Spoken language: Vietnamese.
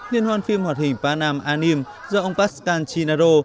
liên hoan phim họa thình panam anime do ông pascal chinaro